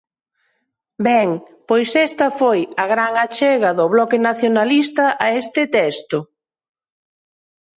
Ben, pois esta foi a gran achega do Bloque Nacionalista a este texto.